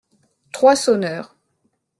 Trois sonneurs.